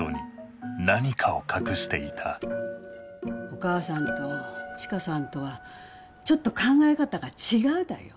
お母さんと千佳さんとはちょっと考え方が違うだよ。